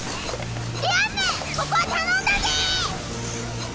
ディアンヌここは頼んだぜ！